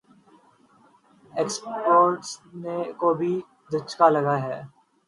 exporter ز کو بھی دھچکا لگا ہے